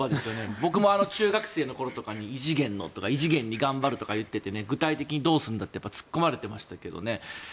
僕も中学生の頃とかに異次元のとか異次元に頑張るとか言っていて具体的にどうするんだって突っ込まれていましたけどね。